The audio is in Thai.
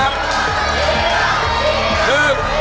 ๓ครับ